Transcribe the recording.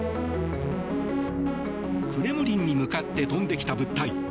クレムリンに向かって飛んできた物体。